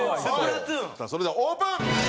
それではオープン！